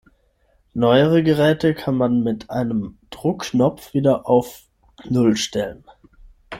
Neuere Geräte kann man mit einem Druckknopf wieder auf Null stellen.